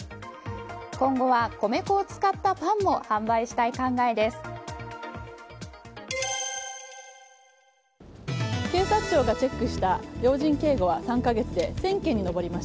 今後は米粉を使ったパンも販売したい考えです。